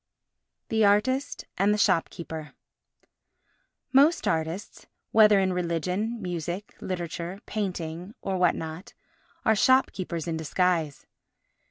The Artist and the Shopkeeper Most artists, whether in religion, music, literature, painting, or what not, are shopkeepers in disguise.